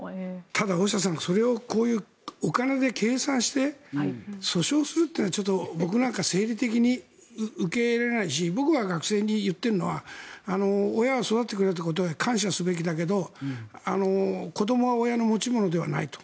ただそれをお金で計算して訴訟するのは、ちょっと僕は生理的に受け入れられないし僕が学生に言っているのは親が育ててくれたことに感謝するべきだけど子どもは親の持ち物ではないと。